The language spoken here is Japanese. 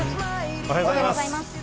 おはようございます。